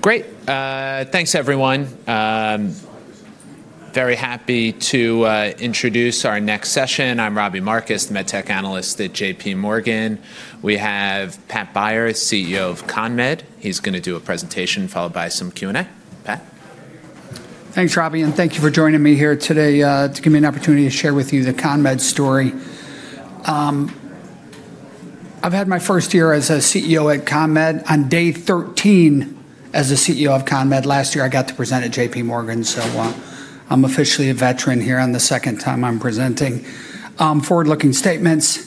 Great. Thanks, everyone. Very happy to introduce our next session. I'm Robbie Marcus, the MedTech analyst at J.P. Morgan. We have Pat Beyer, CEO of CONMED. He's going to do a presentation followed by some Q&A. Pat? Thanks, Robbie, and thank you for joining me here today to give me an opportunity to share with you the CONMED story. I've had my first year as a CEO at CONMED. On day 13 as a CEO of CONMED last year, I got to present at J.P. Morgan, so I'm officially a veteran here on the second time I'm presenting. Forward-looking statements.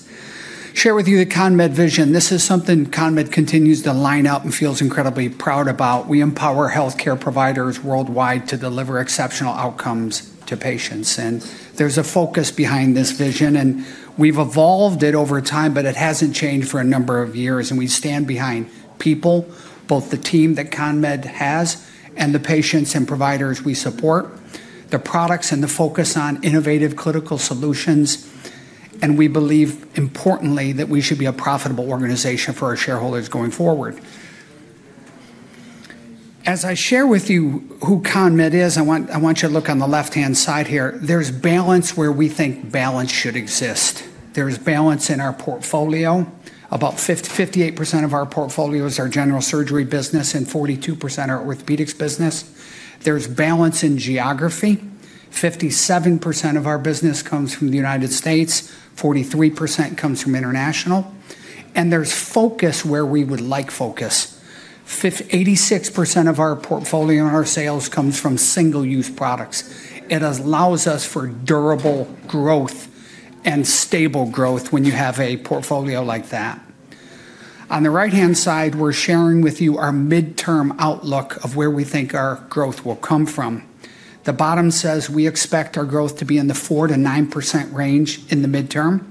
Share with you the CONMED vision. This is something CONMED continues to line up and feels incredibly proud about. We empower health care providers worldwide to deliver exceptional outcomes to patients. And there's a focus behind this vision, and we've evolved it over time, but it hasn't changed for a number of years. And we stand behind people, both the team that CONMED has and the patients and providers we support, the products and the focus on innovative clinical solutions. We believe, importantly, that we should be a profitable organization for our shareholders going forward. As I share with you who CONMED is, I want you to look on the left-hand side here. There's balance where we think balance should exist. There's balance in our portfolio. About 58% of our portfolio is our general surgery business, and 42% are orthopedics business. There's balance in geography. 57% of our business comes from the United States, 43% comes from international. There's focus where we would like focus. 86% of our portfolio and our sales comes from single-use products. It allows us for durable growth and stable growth when you have a portfolio like that. On the right-hand side, we're sharing with you our midterm outlook of where we think our growth will come from. The bottom says we expect our growth to be in the 4%-9% range in the midterm.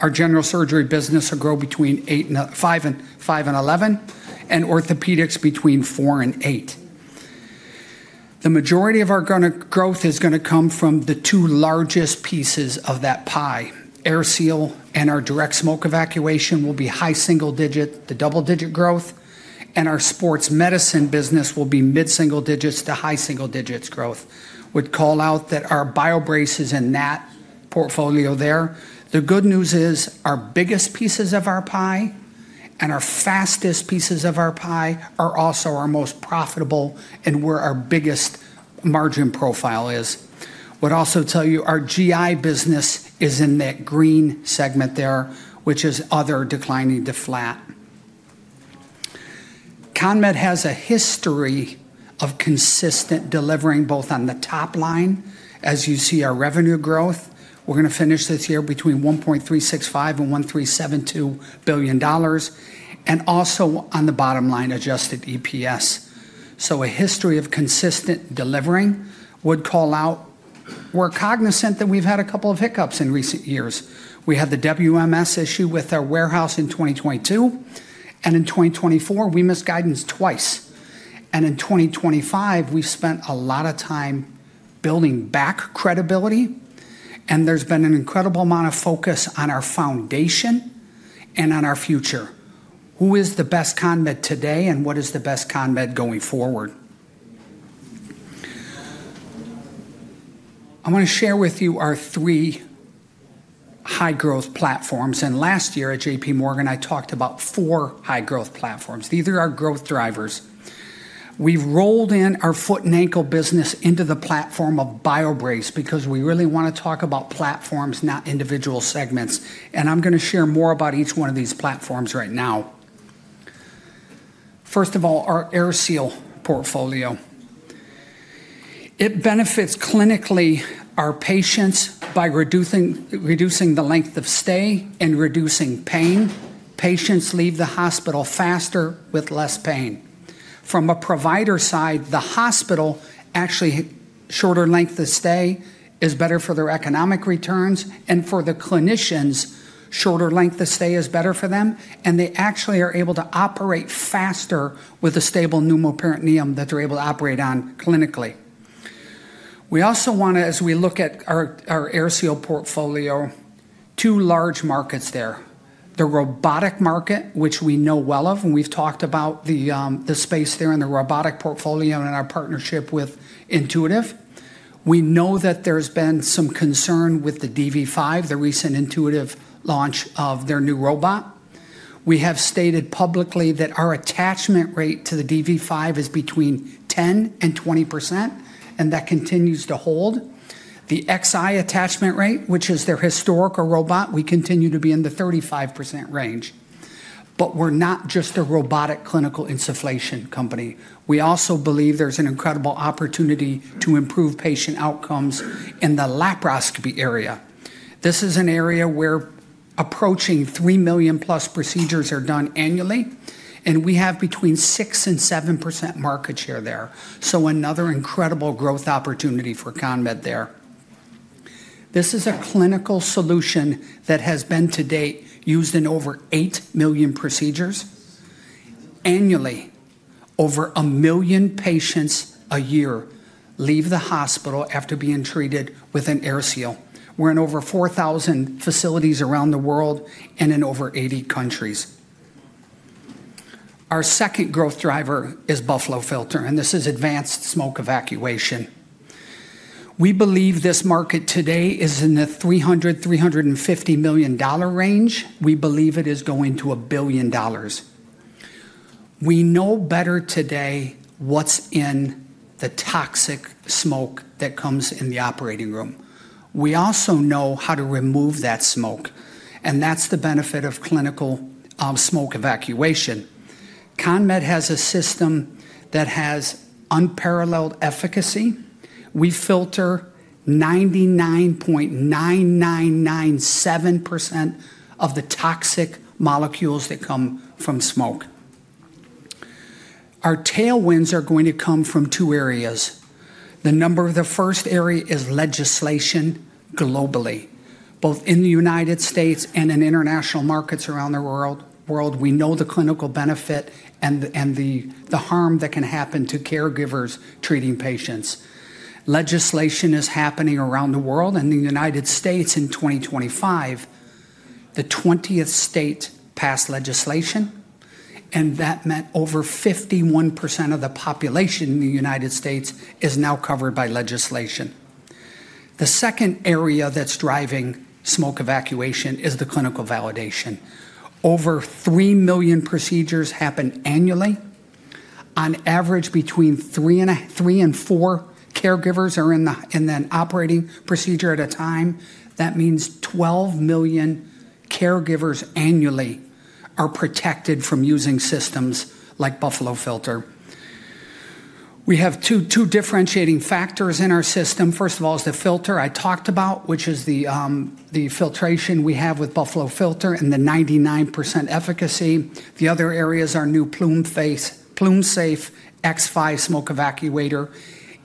Our general surgery business will grow between 5% and 11%, and orthopedics between 4% and 8%. The majority of our growth is going to come from the two largest pieces of that pie. AirSeal and our direct smoke evacuation will be high single-digit to double-digit growth, and our sports medicine business will be mid-single digits to high single digits growth. I would call out that our BioBrace and that portfolio there. The good news is our biggest pieces of our pie and our fastest pieces of our pie are also our most profitable and where our biggest margin profile is. I would also tell you our GI business is in that green segment there, which is other declining to flat. CONMED has a history of consistent delivering both on the top line, as you see our revenue growth. We're going to finish this year between $1.365 billion and $1.372 billion, and also on the bottom line adjusted EPS. So a history of consistent delivering. I would call out we're cognizant that we've had a couple of hiccups in recent years. We had the WMS issue with our warehouse in 2022, and in 2024, we missed guidance twice, and in 2025, we spent a lot of time building back credibility, and there's been an incredible amount of focus on our foundation and on our future. Who is the best CONMED today, and what is the best CONMED going forward? I want to share with you our three high-growth platforms. Last year at J.P. Morgan, I talked about four high-growth platforms. These are our growth drivers. We've rolled in our Foot & Ankle business into the platform of BioBrace because we really want to talk about platforms, not individual segments, and I'm going to share more about each one of these platforms right now. First of all, our AirSeal portfolio. It benefits clinically our patients by reducing the length of stay and reducing pain. Patients leave the hospital faster with less pain. From a provider side, the hospital actually shorter length of stay is better for their economic returns, and for the clinicians, shorter length of stay is better for them, and they actually are able to operate faster with a stable pneumoperitoneum that they're able to operate on clinically. We also want to, as we look at our AirSeal portfolio, two large markets there. The robotic market, which we know well of, and we've talked about the space there in the robotic portfolio and our partnership with Intuitive. We know that there's been some concern with the dV5, the recent Intuitive launch of their new robot. We have stated publicly that our attachment rate to the dV5 is between 10% and 20%, and that continues to hold. The Xi attachment rate, which is their historical robot, we continue to be in the 35% range. But we're not just a robotic clinical insufflation company. We also believe there's an incredible opportunity to improve patient outcomes in the laparoscopy area. This is an area where approaching 3 million plus procedures are done annually, and we have between 6% and 7% market share there. So another incredible growth opportunity for CONMED there. This is a clinical solution that has been to date used in over eight million procedures. Annually, over a million patients a year leave the hospital after being treated with an AirSeal. We're in over 4,000 facilities around the world and in over 80 countries. Our second growth driver is Buffalo Filter, and this is advanced smoke evacuation. We believe this market today is in the $300-$350 million range. We believe it is going to $1 billion. We know better today what's in the toxic smoke that comes in the operating room. We also know how to remove that smoke, and that's the benefit of clinical smoke evacuation. CONMED has a system that has unparalleled efficacy. We filter 99.9997% of the toxic molecules that come from smoke. Our tailwinds are going to come from two areas. The number of the first area is legislation globally, both in the United States and in international markets around the world. We know the clinical benefit and the harm that can happen to caregivers treating patients. Legislation is happening around the world, and the United States in 2025, the 20th state passed legislation, and that meant over 51% of the population in the United States is now covered by legislation. The second area that's driving smoke evacuation is the clinical validation. Over three million procedures happen annually. On average, between three and four caregivers are in an operating procedure at a time. That means 12 million caregivers annually are protected from using systems like Buffalo Filter. We have two differentiating factors in our system. First of all, is the filter I talked about, which is the filtration we have with Buffalo Filter and the 99% efficacy. The other areas are new PlumeSafe X5 smoke evacuator.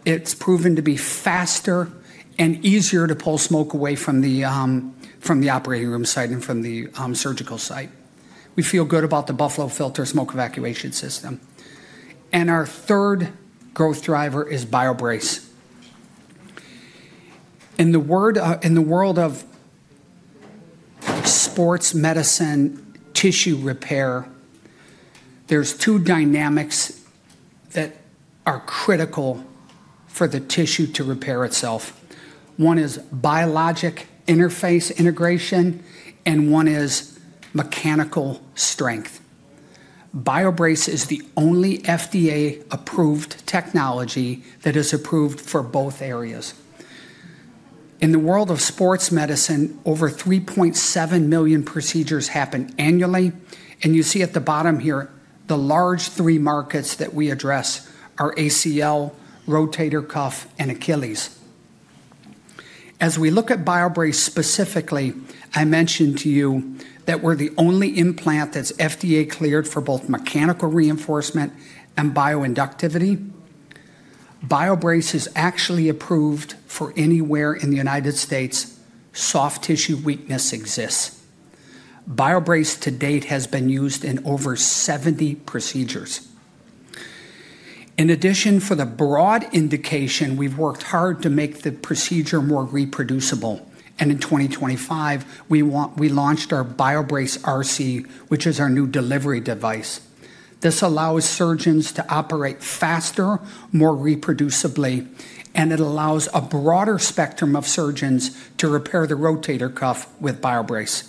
It's proven to be faster and easier to pull smoke away from the operating room site and from the surgical site. We feel good about the Buffalo Filter smoke evacuation system. Our third growth driver is BioBrace. In the world of sports medicine tissue repair, there's two dynamics that are critical for the tissue to repair itself. One is biologic interface integration, and one is mechanical strength. BioBrace is the only FDA-approved technology that is approved for both areas. In the world of sports medicine, over 3.7 million procedures happen annually. You see at the bottom here, the large three markets that we address are ACL, rotator cuff, and Achilles. As we look at BioBrace specifically, I mentioned to you that we're the only implant that's FDA-cleared for both mechanical reinforcement and bioinductivity. BioBrace is actually approved for anywhere in the United States soft tissue weakness exists. BioBrace to date has been used in over 70 procedures. In addition, for the broad indication, we've worked hard to make the procedure more reproducible. In 2025, we launched our BioBrace RC, which is our new delivery device. This allows surgeons to operate faster, more reproducibly, and it allows a broader spectrum of surgeons to repair the rotator cuff with BioBrace.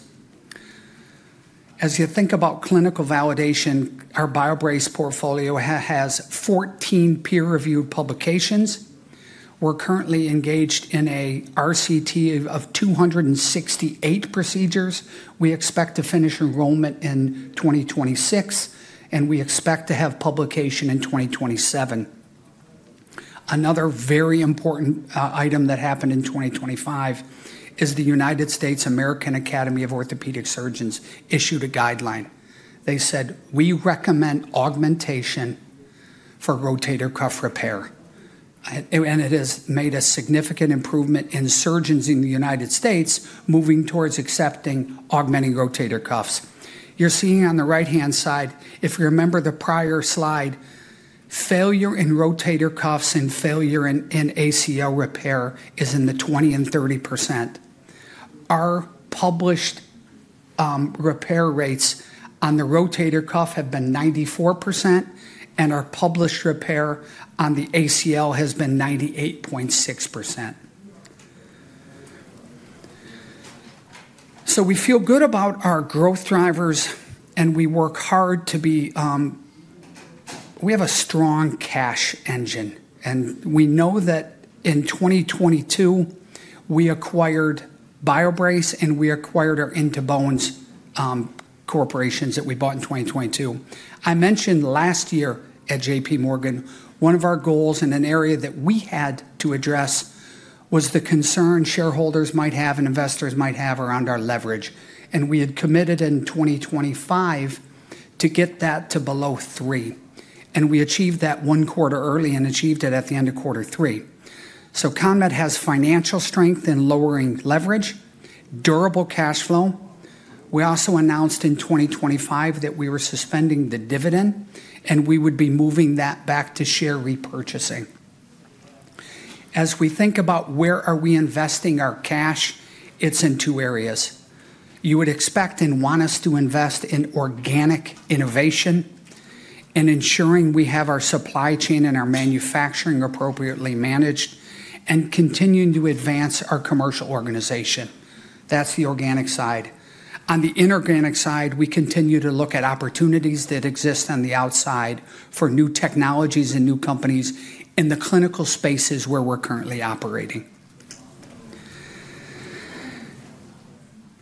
As you think about clinical validation, our BioBrace portfolio has 14 peer-reviewed publications. We're currently engaged in an RCT of 268 procedures. We expect to finish enrollment in 2026, and we expect to have publication in 2027. Another very important item that happened in 2025 is the United States American Academy of Orthopaedic Surgeons issued a guideline. They said, "We recommend augmentation for rotator cuff repair." And it has made a significant improvement in surgeons in the United States moving towards accepting augmenting rotator cuffs. You're seeing on the right-hand side, if you remember the prior slide, failure in rotator cuffs and failure in ACL repair is in the 20% and 30%. Our published repair rates on the rotator cuff have been 94%, and our published repair on the ACL has been 98.6%. So we feel good about our growth drivers, and we work hard. We have a strong cash engine. And we know that in 2022, we acquired BioBrace, and we acquired our In2Bones Corporation that we bought in 2022. I mentioned last year at J.P. Morgan, one of our goals in an area that we had to address was the concern shareholders might have and investors might have around our leverage. We had committed in 2025 to get that to below three. We achieved that one quarter early and achieved it at the end of quarter three. CONMED has financial strength in lowering leverage, durable cash flow. We also announced in 2025 that we were suspending the dividend, and we would be moving that back to share repurchasing. As we think about where are we investing our cash, it's in two areas. You would expect and want us to invest in organic innovation and ensuring we have our supply chain and our manufacturing appropriately managed and continuing to advance our commercial organization. That's the organic side. On the inorganic side, we continue to look at opportunities that exist on the outside for new technologies and new companies in the clinical spaces where we're currently operating.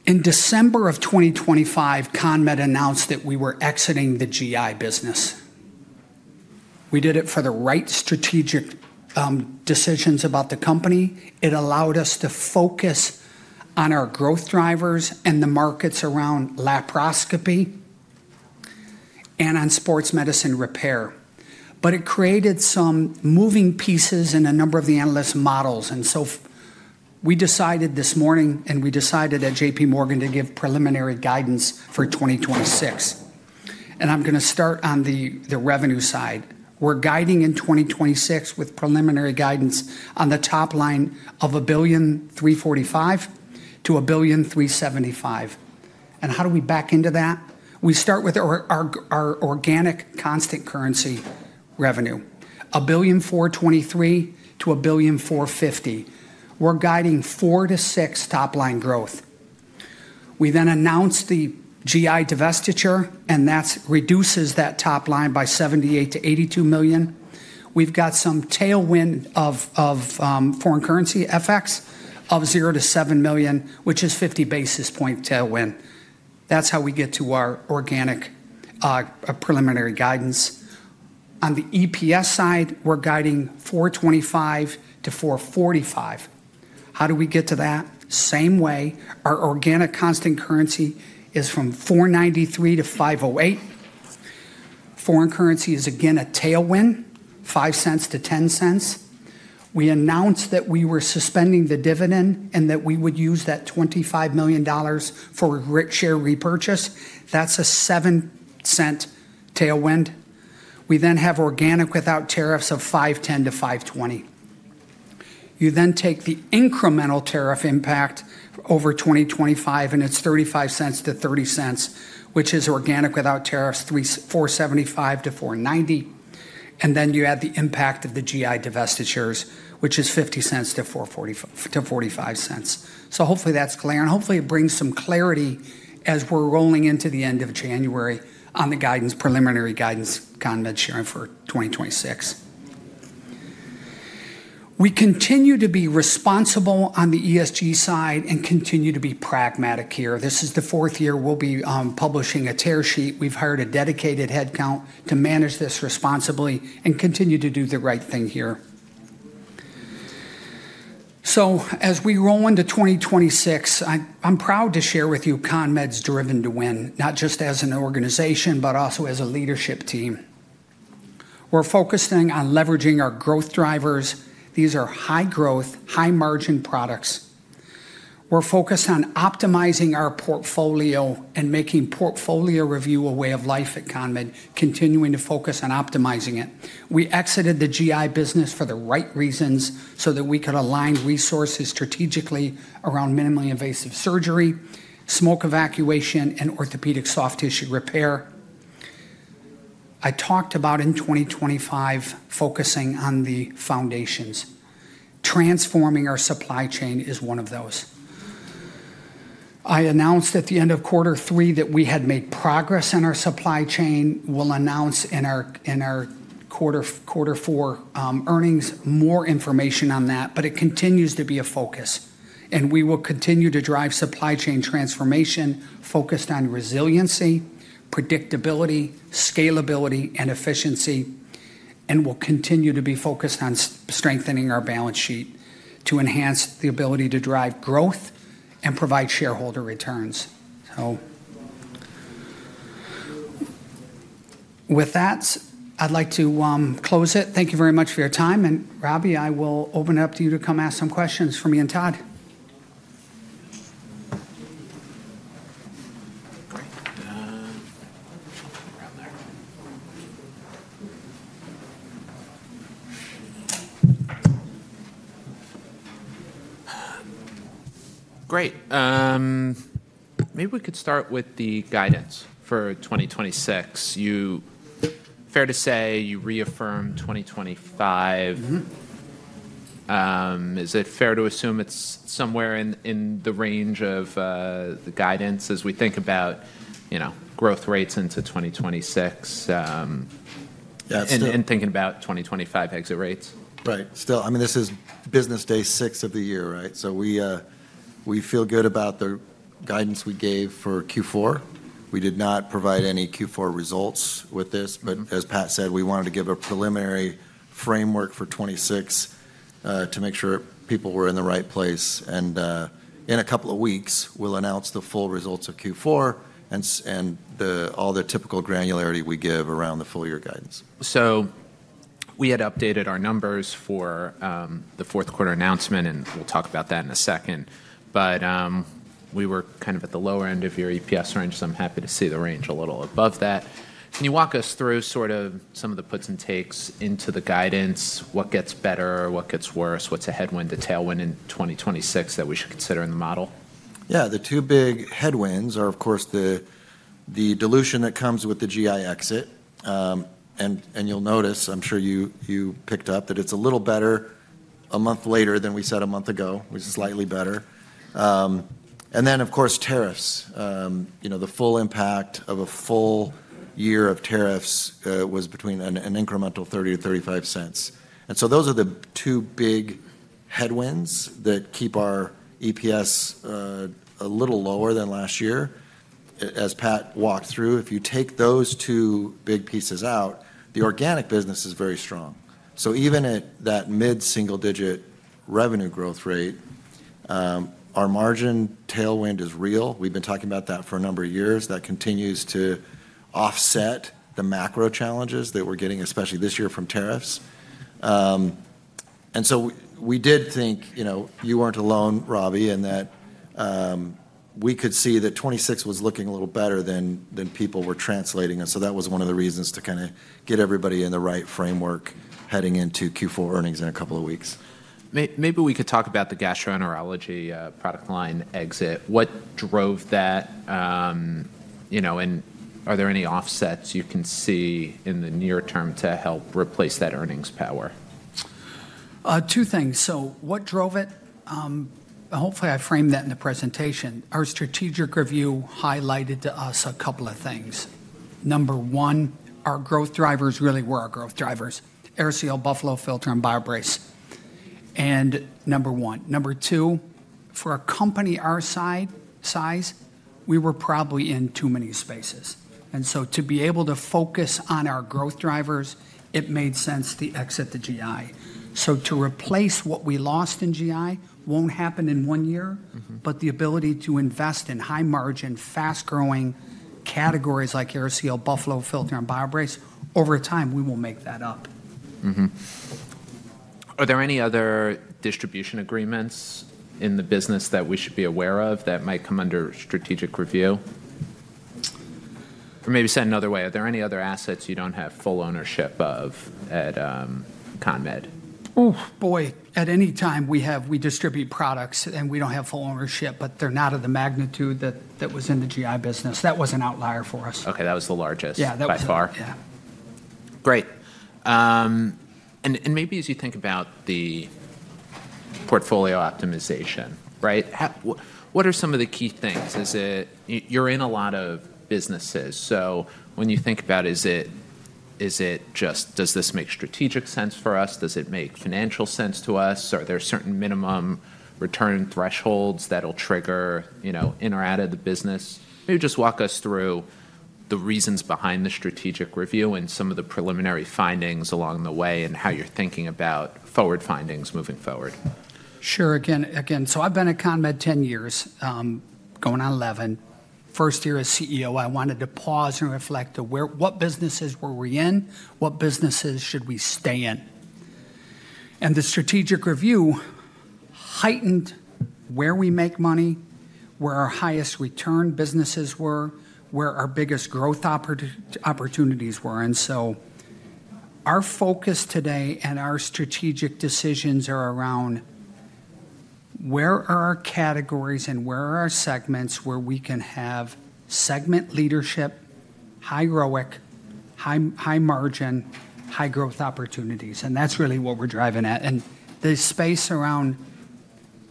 In December of 2025, CONMED announced that we were exiting the GI business. We did it for the right strategic decisions about the company. It allowed us to focus on our growth drivers and the markets around laparoscopy and on sports medicine repair, but it created some moving pieces in a number of the analyst models, and so we decided this morning, and we decided at J.P. Morgan to give preliminary guidance for 2026, and I'm going to start on the revenue side. We're guiding in 2026 with preliminary guidance on the top line of $1.345-$1.375 billion. How do we back into that? We start with our organic constant currency revenue $1.423-$1.450 billion. We're guiding four to six top line growth. We then announced the GI divestiture, and that reduces that top line by $78-$82 million. We've got some tailwind of foreign currency FX of $0-$7 million, which is 50 basis point tailwind. That's how we get to our organic preliminary guidance. On the EPS side, we're guiding $4.25-$4.45. How do we get to that? Same way. Our organic constant currency is from $4.93-$5.08. Foreign currency is again a tailwind, $0.05-$0.10. We announced that we were suspending the dividend and that we would use that $25 million for share repurchase. That's a $0.07 tailwind. We then have organic without tariffs of $5.10-$5.20. You then take the incremental tariff impact over 2025, and it's $0.35-$0.30, which is organic without tariffs $4.75-$4.90. And then you add the impact of the GI divestitures, which is $0.50 to $4.45. So hopefully that's clear. And hopefully it brings some clarity as we're rolling into the end of January on the preliminary guidance CONMED's sharing for 2026. We continue to be responsible on the ESG side and continue to be pragmatic here. This is the fourth year we'll be publishing a sustainability report. We've hired a dedicated headcount to manage this responsibly and continue to do the right thing here, so as we roll into 2026, I'm proud to share with you CONMED's drive to win, not just as an organization, but also as a leadership team. We're focusing on leveraging our growth drivers. These are high-growth, high-margin products. We're focused on optimizing our portfolio and making portfolio review a way of life at CONMED, continuing to focus on optimizing it. We exited the GI business for the right reasons so that we could align resources strategically around minimally invasive surgery, smoke evacuation, and orthopedic soft tissue repair. I talked about in 2025 focusing on the foundations. Transforming our supply chain is one of those. I announced at the end of quarter three that we had made progress in our supply chain. We'll announce in our quarter four earnings more information on that, but it continues to be a focus. And we will continue to drive supply chain transformation focused on resiliency, predictability, scalability, and efficiency. And we'll continue to be focused on strengthening our balance sheet to enhance the ability to drive growth and provide shareholder returns. So with that, I'd like to close it. Thank you very much for your time. And Robbie, I will open it up to you to come ask some questions for me and Todd. Great. Maybe we could start with the guidance for 2026. Fair to say you reaffirmed 2025. Is it fair to assume it's somewhere in the range of the guidance as we think about growth rates into 2026? And thinking about 2025 exit rates? Right. Still, I mean, this is business day six of the year, right? So we feel good about the guidance we gave for Q4. We did not provide any Q4 results with this, but as Pat said, we wanted to give a preliminary framework for 2026 to make sure people were in the right place, and in a couple of weeks, we'll announce the full results of Q4 and all the typical granularity we give around the full year guidance, so we had updated our numbers for the fourth quarter announcement, and we'll talk about that in a second, but we were kind of at the lower end of your EPS range, so I'm happy to see the range a little above that. Can you walk us through sort of some of the puts and takes into the guidance? What gets better? What gets worse? What's a headwind to tailwind in 2026 that we should consider in the model? Yeah. The two big headwinds are, of course, the dilution that comes with the GI exit. And you'll notice, I'm sure you picked up, that it's a little better a month later than we said a month ago. It was slightly better. And then, of course, tariffs. The full impact of a full year of tariffs was between an incremental $0.30-$0.35. And so those are the two big headwinds that keep our EPS a little lower than last year. As Pat walked through, if you take those two big pieces out, the organic business is very strong. So even at that mid-single-digit revenue growth rate, our margin tailwind is real. We've been talking about that for a number of years. That continues to offset the macro challenges that we're getting, especially this year from tariffs. We did think you weren't alone, Robbie, in that we could see that 26 was looking a little better than people were translating. That was one of the reasons to kind of get everybody in the right framework heading into Q4 earnings in a couple of weeks. Maybe we could talk about the gastroenterology product line exit. What drove that? Are there any offsets you can see in the near term to help replace that earnings power? Two things. What drove it? Hopefully, I framed that in the presentation. Our strategic review highlighted to us a couple of things. Number one, our growth drivers really were our growth drivers: AirSeal, Buffalo Filter, and BioBrace. Number one. Number two, for a company our size, we were probably in too many spaces. And so to be able to focus on our growth drivers, it made sense to exit the GI. So to replace what we lost in GI won't happen in one year, but the ability to invest in high-margin, fast-growing categories like AirSeal, Buffalo Filter, and BioBrace, over time, we will make that up. Are there any other distribution agreements in the business that we should be aware of that might come under strategic review? Or maybe said another way, are there any other assets you don't have full ownership of at CONMED? Oh, boy. At any time we distribute products and we don't have full ownership, but they're not of the magnitude that was in the GI business. That was an outlier for us. Okay. That was the largest by far? Yeah. Great. And maybe as you think about the portfolio optimization, right, what are some of the key things? You're in a lot of businesses. So when you think about, is it just, does this make strategic sense for us? Does it make financial sense to us? Are there certain minimum return thresholds that'll trigger in or out of the business? Maybe just walk us through the reasons behind the strategic review and some of the preliminary findings along the way and how you're thinking about forward findings moving forward. Sure. Again, so I've been at CONMED 10 years, going on 11. First year as CEO, I wanted to pause and reflect to what businesses were we in? What businesses should we stay in? And the strategic review highlighted where we make money, where our highest return businesses were, where our biggest growth opportunities were. And so our focus today and our strategic decisions are around where are our categories and where are our segments where we can have segment leadership, high growth, high margin, high growth opportunities. And that's really what we're driving at. And the space around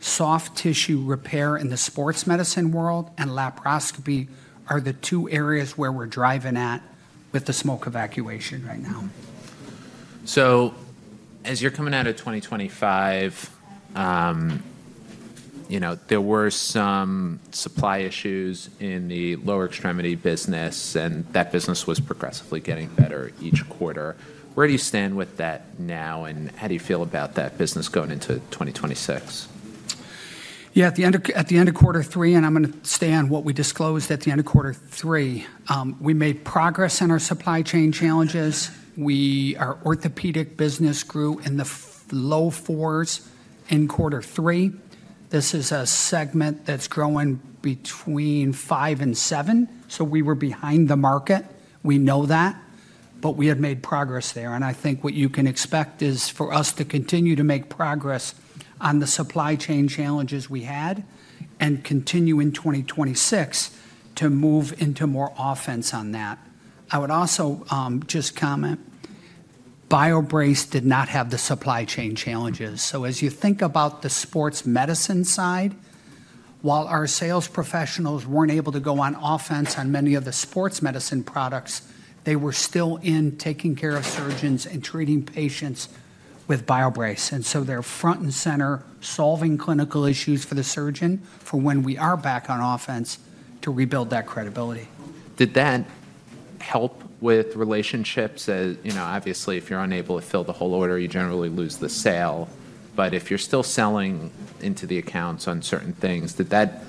soft tissue repair in the sports medicine world and laparoscopy are the two areas where we're driving at with the smoke evacuation right now. So as you're coming out of 2025, there were some supply issues in the lower extremity business, and that business was progressively getting better each quarter. Where do you stand with that now, and how do you feel about that business going into 2026? Yeah. At the end of quarter three, and I'm going to stay on what we disclosed at the end of quarter three, we made progress in our supply chain challenges. Our orthopedic business grew in the low fours in quarter three. This is a segment that's growing between five and seven, so we were behind the market. We know that, but we have made progress there, and I think what you can expect is for us to continue to make progress on the supply chain challenges we had and continue in 2026 to move into more offense on that. I would also just comment, BioBrace did not have the supply chain challenges. So as you think about the sports medicine side, while our sales professionals weren't able to go on offense on many of the sports medicine products, they were still and taking care of surgeons and treating patients with BioBrace, and so they're front and center, solving clinical issues for the surgeon for when we are back on offense to rebuild that credibility. Did that help with relationships? Obviously, if you're unable to fill the whole order, you generally lose the sale. But if you're still selling into the accounts on certain things, did that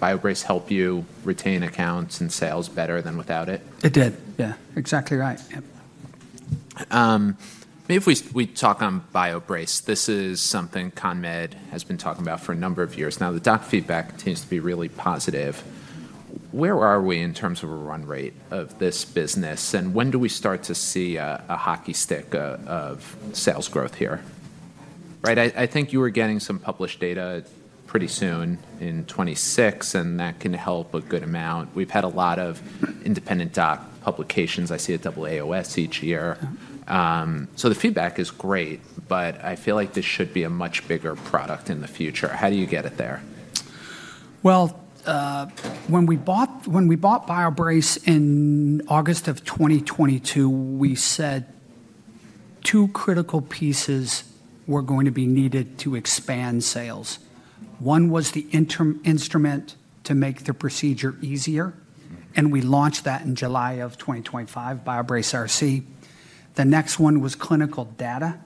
BioBrace help you retain accounts and sales better than without it? It did. Yeah. Exactly right. Maybe if we talk on BioBrace, this is something CONMED has been talking about for a number of years. Now, the doc feedback continues to be really positive. Where are we in terms of a run rate of this business, and when do we start to see a hockey stick of sales growth here? Right. I think you were getting some published data pretty soon in 2026, and that can help a good amount. We've had a lot of independent doc publications. I see AAOS each year. So the feedback is great, but I feel like this should be a much bigger product in the future. How do you get it there? Well, when we bought BioBrace in August of 2022, we said two critical pieces were going to be needed to expand sales. One was the instrument to make the procedure easier, and we launched that in July of 2025, BioBrace RC. The next one was clinical data,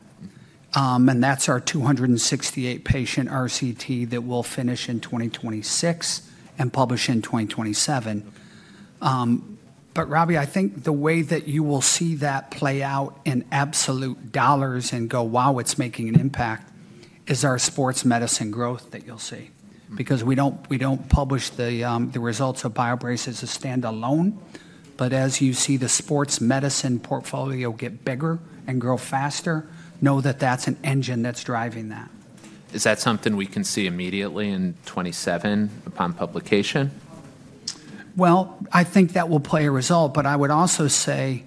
and that's our 268-patient RCT that will finish in 2026 and publish in 2027. But Robbie, I think the way that you will see that play out in absolute dollars and go, "Wow, it's making an impact," is our sports medicine growth that you'll see. Because we don't publish the results of BioBrace as a standalone, but as you see the sports medicine portfolio get bigger and grow faster, know that that's an engine that's driving that. Is that something we can see immediately in 2027 upon publication? Well, I think that will play a result, but I would also say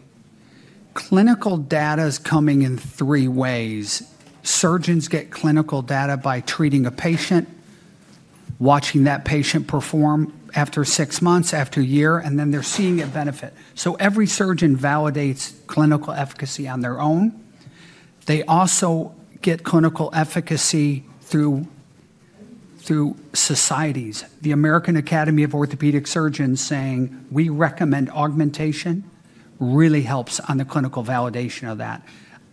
clinical data is coming in three ways. Surgeons get clinical data by treating a patient, watching that patient perform after six months, after a year, and then they're seeing a benefit. So every surgeon validates clinical efficacy on their own. They also get clinical efficacy through societies. The American Academy of Orthopaedic Surgeons saying, "We recommend augmentation," really helps on the clinical validation of that.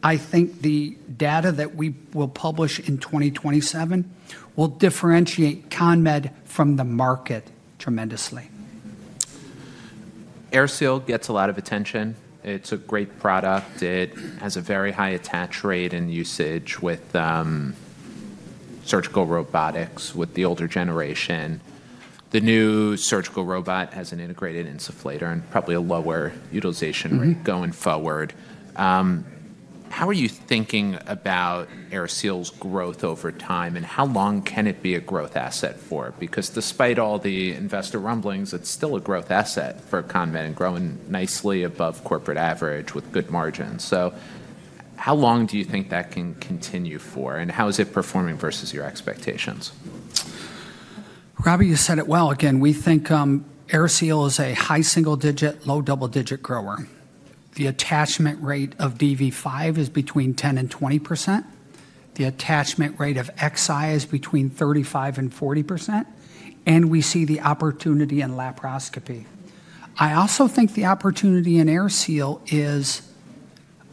I think the data that we will publish in 2027 will differentiate CONMED from the market tremendously. AirSeal gets a lot of attention. It's a great product. It has a very high attach rate and usage with surgical robotics with the older generation. The new surgical robot has an integrated insufflator and probably a lower utilization rate going forward. How are you thinking about AirSeal's growth over time, and how long can it be a growth asset for? Because despite all the investor rumblings, it's still a growth asset for CONMED and growing nicely above corporate average with good margins. So how long do you think that can continue for, and how is it performing versus your expectations? Robbie, you said it well. Again, we think AirSeal is a high single-digit, low double-digit grower. The attachment rate of DV5 is between 10% and 20%. The attachment rate of XI is between 35% and 40%, and we see the opportunity in laparoscopy. I also think the opportunity in AirSeal is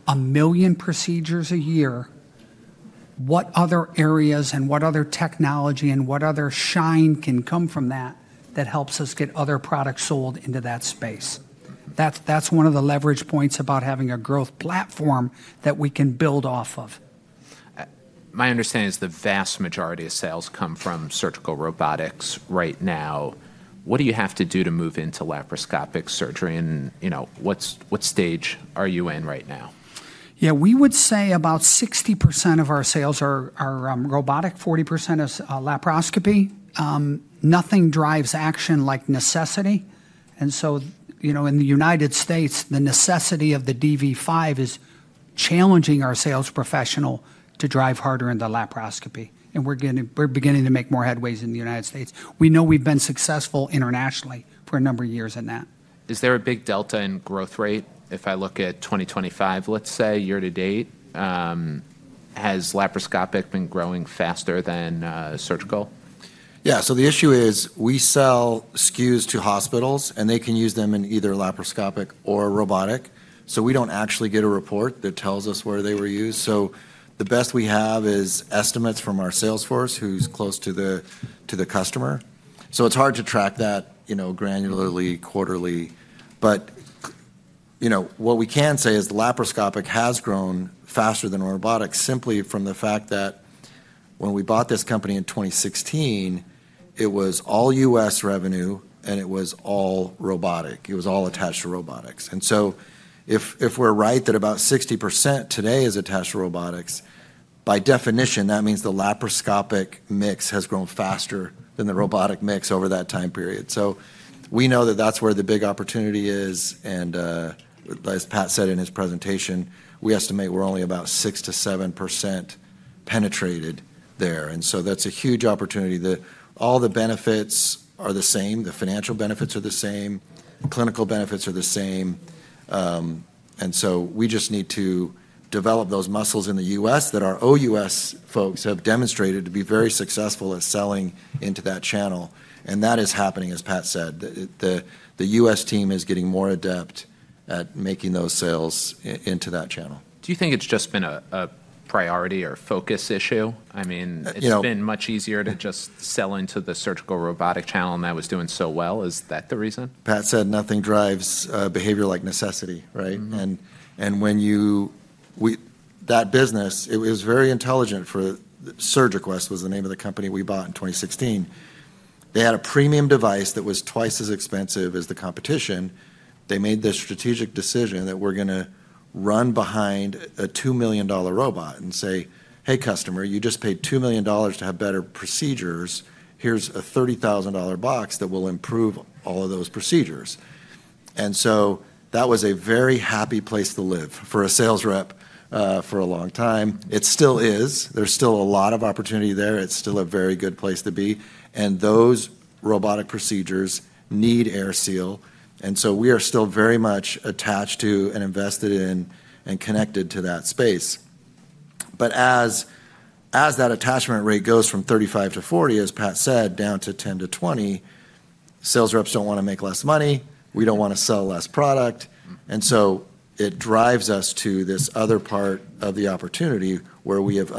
a million procedures a year. What other areas and what other technology and what other shine can come from that that helps us get other products sold into that space? That's one of the leverage points about having a growth platform that we can build off of. My understanding is the vast majority of sales come from surgical robotics right now. What do you have to do to move into laparoscopic surgery, and what stage are you in right now? Yeah. We would say about 60% of our sales are robotic, 40% is laparoscopy. Nothing drives action like necessity. And so in the United States, the necessity of the dV5 is challenging our sales professional to drive harder in the laparoscopy. And we're beginning to make more headways in the United States. We know we've been successful internationally for a number of years in that. Is there a big delta in growth rate? If I look at 2025, let's say year to date, has laparoscopic been growing faster than surgical? Yeah. So the issue is we sell SKUs to hospitals, and they can use them in either laparoscopic or robotic. So we don't actually get a report that tells us where they were used. So the best we have is estimates from our sales force, who's close to the customer. So it's hard to track that granularly quarterly. But what we can say is laparoscopic has grown faster than robotic simply from the fact that when we bought this company in 2016, it was all U.S. revenue, and it was all robotic. It was all attached to robotics. And so if we're right that about 60% today is attached to robotics, by definition, that means the laparoscopic mix has grown faster than the robotic mix over that time period. So we know that that's where the big opportunity is. And as Pat said in his presentation, we estimate we're only about 6%-7% penetrated there. And so that's a huge opportunity. All the benefits are the same. The financial benefits are the same. Clinical benefits are the same. And so we just need to develop those muscles in the U.S. that our O.U.S. folks have demonstrated to be very successful at selling into that channel. And that is happening, as Pat said. The U.S. team is getting more adept at making those sales into that channel. Do you think it's just been a priority or focus issue? I mean, it's been much easier to just sell into the surgical robotic channel and that was doing so well. Is that the reason? Pat said nothing drives behavior like necessity, right? And that business, it was very intelligent for SurgiQuest was the name of the company we bought in 2016. They had a premium device that was twice as expensive as the competition. They made the strategic decision that we're going to run behind a $2 million robot and say, "Hey, customer, you just paid $2 million to have better procedures. Here's a $30,000 box that will improve all of those procedures." And so that was a very happy place to live for a sales rep for a long time. It still is. There's still a lot of opportunity there. It's still a very good place to be. And those robotic procedures need AirSeal. And so we are still very much attached to and invested in and connected to that space. But as that attachment rate goes from 35-40, as Pat said, down to 10-20, sales reps don't want to make less money. We don't want to sell less product. And so it drives us to this other part of the opportunity where we have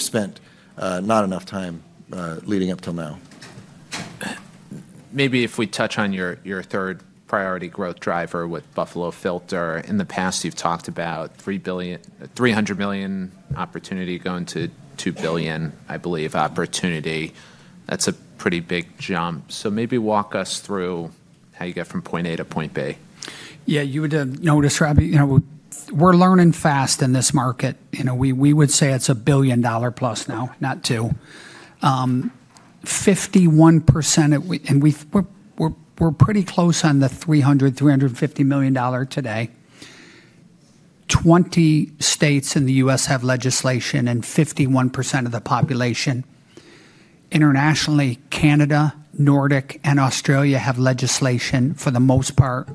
spent not enough time leading up till now. Maybe if we touch on your third priority growth driver with Buffalo Filter. In the past, you've talked about $300 million opportunity going to $2 billion, I believe, opportunity. That's a pretty big jump. So maybe walk us through how you get from point A to point B. Yeah. You would describe it. We're learning fast in this market. We would say it's a billion dollar plus now, not two. 51%, and we're pretty close on the $300-$350 million dollar today. 20 states in the U.S. have legislation and 51% of the population. Internationally, Canada, Nordic, and Australia have legislation for the most part.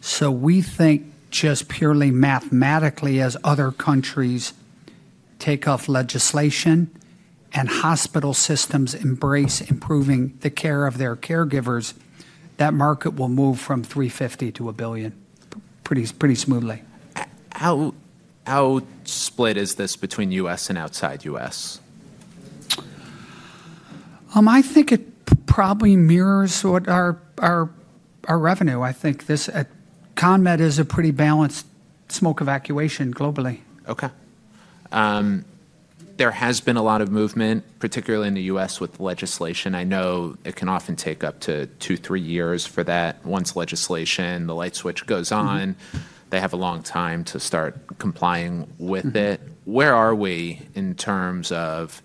So we think just purely mathematically, as other countries take off legislation and hospital systems embrace improving the care of their caregivers, that market will move from $350 million to $1 billion pretty smoothly. How split is this between U.S. and outside U.S.? I think it probably mirrors our revenue. I think CONMED is a pretty balanced smoke evacuation globally. Okay. There has been a lot of movement, particularly in the U.S. with legislation. I know it can often take up to two, three years for that. Once legislation, the light switch goes on, they have a long time to start complying with it. Where are we in terms of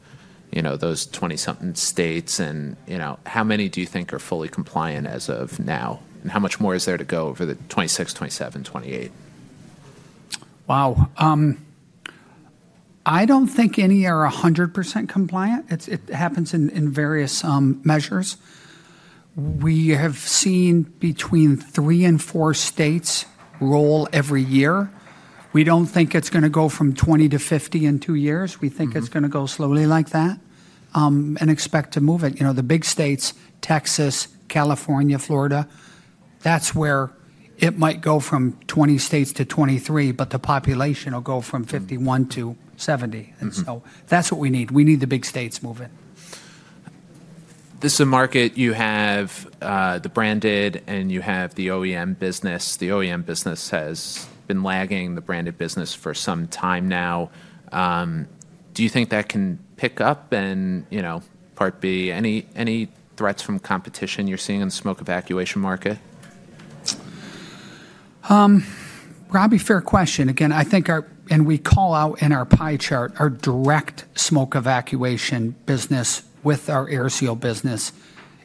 those 20-something states? And how many do you think are fully compliant as of now? And how much more is there to go over the 26, 27, 28? Wow. I don't think any are 100% compliant. It happens in various measures. We have seen between three and four states roll every year. We don't think it's going to go from 20 to 50 in two years. We think it's going to go slowly like that and expect to move it. The big states, Texas, California, Florida, that's where it might go from 20 states to 23, but the population will go from 51 to 70, and so that's what we need. We need the big states moving. This is a market you have the branded, and you have the OEM business. The OEM business has been lagging the branded business for some time now. Do you think that can pick up and part B, any threats from competition you're seeing in the smoke evacuation market? Robbie, fair question. Again, I think our - and we call out in our pie chart - our direct smoke evacuation business with our AirSeal business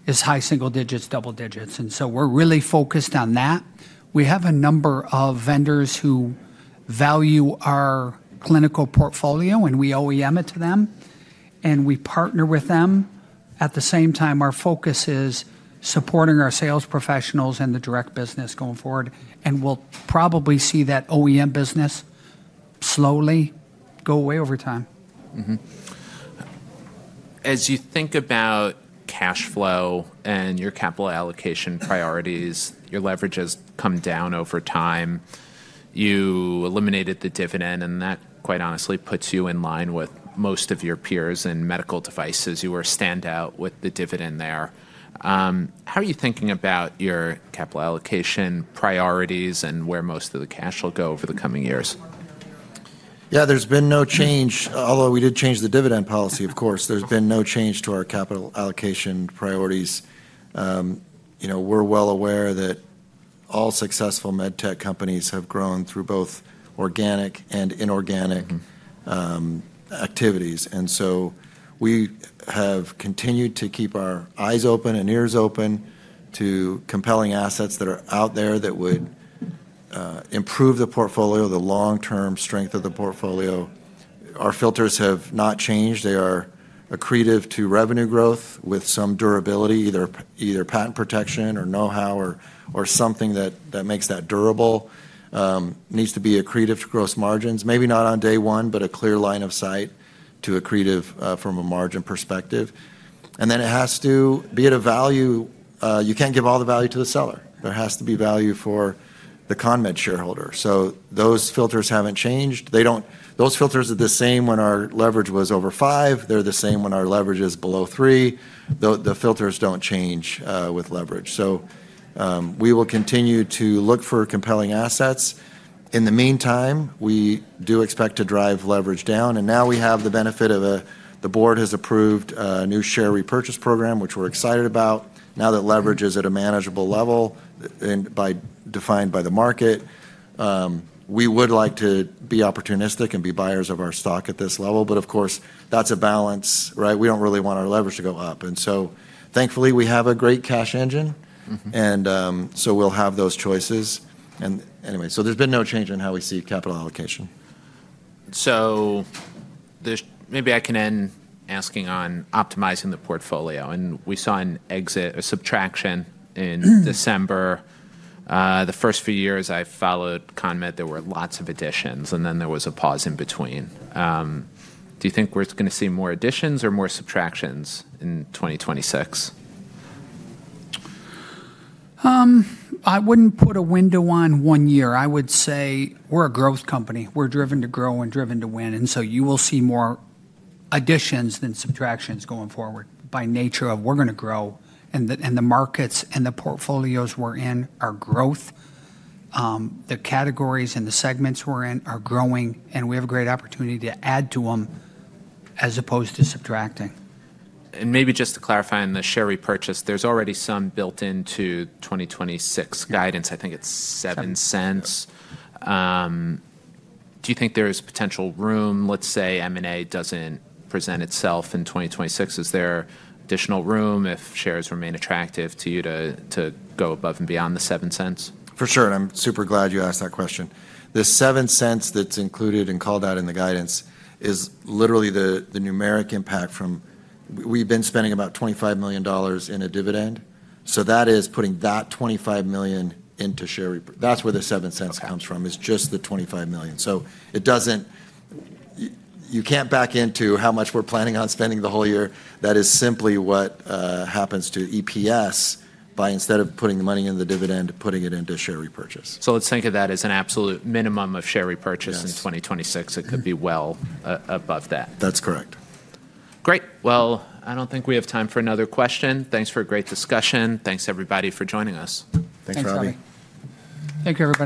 is high single digits, double digits. And so we're really focused on that. We have a number of vendors who value our clinical portfolio, and we OEM it to them, and we partner with them. At the same time, our focus is supporting our sales professionals and the direct business going forward. And we'll probably see that OEM business slowly go away over time. As you think about cash flow and your capital allocation priorities, your leverage has come down over time. You eliminated the dividend, and that, quite honestly, puts you in line with most of your peers in medical devices. You were a standout with the dividend there. How are you thinking about your capital allocation priorities and where most of the cash will go over the coming years? Yeah. There's been no change, although we did change the dividend policy, of course. There's been no change to our capital allocation priorities. We're well aware that all successful med tech companies have grown through both organic and inorganic activities. And so we have continued to keep our eyes open and ears open to compelling assets that are out there that would improve the portfolio, the long-term strength of the portfolio. Our filters have not changed. They are accretive to revenue growth with some durability, either patent protection or know-how or something that makes that durable. Needs to be accretive to gross margins, maybe not on day one, but a clear line of sight to accretive from a margin perspective. And then it has to be at a value—you can't give all the value to the seller. There has to be value for the CONMED shareholder. So those filters haven't changed. Those filters are the same when our leverage was over five. They're the same when our leverage is below three. The filters don't change with leverage. So we will continue to look for compelling assets. In the meantime, we do expect to drive leverage down. And now we have the benefit of the board has approved a new share repurchase program, which we're excited about. Now that leverage is at a manageable level defined by the market, we would like to be opportunistic and be buyers of our stock at this level. But of course, that's a balance, right? We don't really want our leverage to go up. And so thankfully, we have a great cash engine. And so we'll have those choices. And anyway, so there's been no change in how we see capital allocation. So, maybe I can end asking on optimizing the portfolio. And we saw an exit, a subtraction in December. The first few years I followed CONMED, there were lots of additions, and then there was a pause in between. Do you think we're going to see more additions or more subtractions in 2026? I wouldn't put a window on one year. I would say we're a growth company. We're driven to grow and driven to win. And so you will see more additions than subtractions going forward by nature of we're going to grow. And the markets and the portfolios we're in are growth. The categories and the segments we're in are growing, and we have a great opportunity to add to them as opposed to subtracting. And maybe just to clarify on the share repurchase, there's already some built into 2026 guidance. I think it's $0.07. Do you think there's potential room, let's say M&A doesn't present itself in 2026? Is there additional room if shares remain attractive to you to go above and beyond the $0.07? For sure. And I'm super glad you asked that question. The $0.07 that's included and called out in the guidance is literally the numeric impact from we've been spending about $25 million in a dividend. So that is putting that $25 million into share repurchase. That's where the $0.07 comes from, is just the $25 million. So you can't back into how much we're planning on spending the whole year. That is simply what happens to EPS by instead of putting the money in the dividend, putting it into share repurchase. So let's think of that as an absolute minimum of share repurchase in 2026. It could be well above that. That's correct. Great. I don't think we have time for another question. Thanks for a great discussion. Thanks, everybody, for joining us. Thanks, Robbie. Thanks, Robbie. Thank you, everybody.